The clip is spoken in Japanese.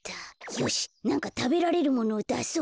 よしなんかたべられるものをだそう。